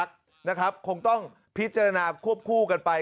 คงต้องพิจารณาควบคู่กันไป